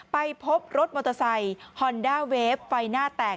ไปพบรถมอเตอร์ไซค์ฮอนด้าเวฟไฟหน้าแตก